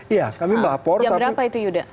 iya kami melapor jam berapa itu yuda